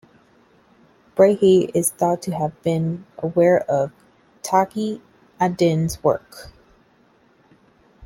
Brahe is thought to have been aware of Taqi ad-Din's work.